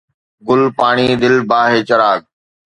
گل، پاڻي، دل، باھ، چراغ